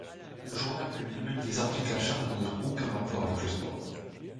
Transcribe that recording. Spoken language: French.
Le journal publie même des articles à charge n'ayant aucun rapport avec le sport.